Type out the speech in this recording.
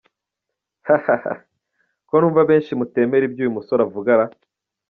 hhhh, ko numva benshi mutemera ibyo uyu musore avuga ra?.